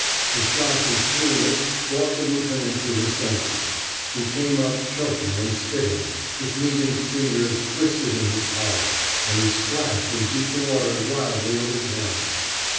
The shock and coolness brought the lieu tenant to his senses. He came up, choking and spitting, with Meaghan 's fingers twisted in his collar; and he splashed and beat the water wildly with his hands.